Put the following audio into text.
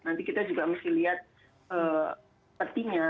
nanti kita juga mesti lihat petinya